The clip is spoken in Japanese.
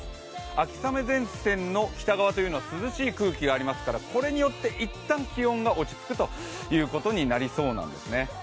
秋雨前線の北側というのは涼しい空気がありますからこれによっていったん気温が落ち着くということになりそうなんですね。